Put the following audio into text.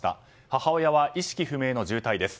母親は意識不明の重体です。